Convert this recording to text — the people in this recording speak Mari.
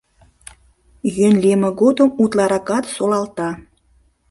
Йӧн лийме годым утларакат солалта.